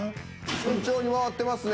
順調に回ってますね。